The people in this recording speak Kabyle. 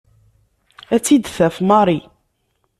Ad tt-id-taf Mary.